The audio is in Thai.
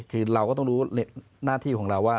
คือเราก็ต้องรู้หน้าที่ของเราว่า